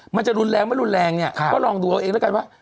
มันจะรุนแรงไม่รุนแรงเนี่ยก็ลองดูเอาเองแล้วกันว่า